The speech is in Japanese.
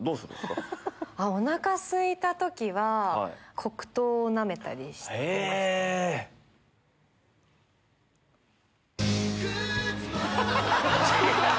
おなかすいた時は黒糖をなめたりしてます。